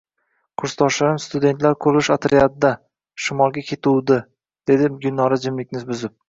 — Kursdoshlarim studentlar qurilish otryadida. Shimolga ketishuvdi, — dedi Gulnora jimlikni buzib.